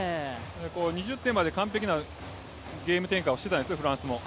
２０点まで完璧なゲーム展開をしてたんですよ、フランスも。